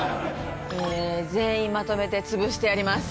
全員まとめて潰してやります。